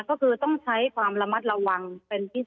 ก็คือต้องใช้ความระมัดระวังเป็นพิเศษ